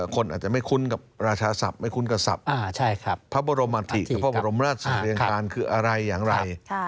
คนอาจจะไม่คุ้นกับราชาศัพท์ไม่คุ้นกับภาพบรมราชสิริยังคารคืออะไรอย่างไร